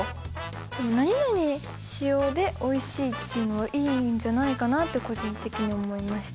何々使用でおいしいっていうのはいいんじゃないかなって個人的に思いました。